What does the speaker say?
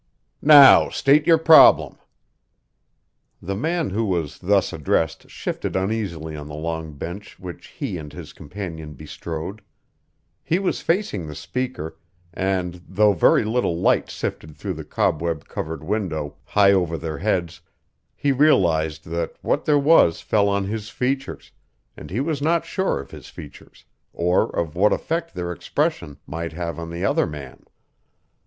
_" "Now state your problem." The man who was thus addressed shifted uneasily on the long bench which he and his companion bestrode. He was facing the speaker, and though very little light sifted through the cobweb covered window high over their heads, he realized that what there was fell on his features, and he was not sure of his features, or of what effect their expression might have on the other man.